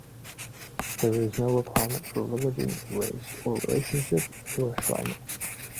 There is no requirement for religion, race, or relationship to a Shriner.